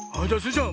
ちゃん